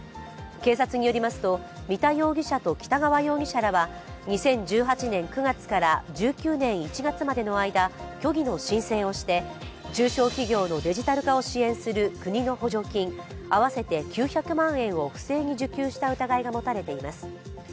警察によりますと、三田容疑者と北川容疑者らは２０１８年９月から１９年１月までの間、虚偽の申請をして、中小企業のデジタル化を支援する国の補助金、合わせて９００万円を不正に受給した疑いが持たれています。